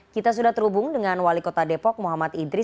kita sudah terhubung dengan wali kota depok muhammad idris